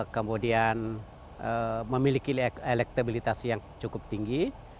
kemudian memiliki elektabilitas yang cukup tinggi